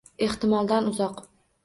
Ehtimoldan uzoq